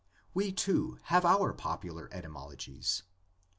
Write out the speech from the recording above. We too have our popular etymologies.